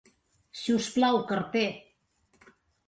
Si us plau, carter.